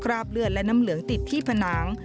ราบเลือดและน้ำเหลืองติดที่ผนัง